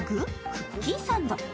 クッキーサンド。